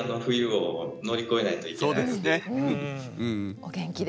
お元気で。